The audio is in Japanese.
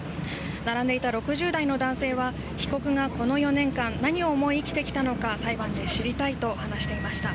並んでいた６０代の男性は被告がこの４年間、何を思い生きてきたのか裁判で知りたいと話していました。